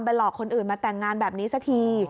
หลอกคนอื่นมาแต่งงานแบบนี้สักที